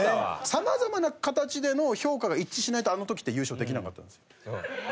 様々な形での評価が一致しないとあの時って優勝できなかったんですよ。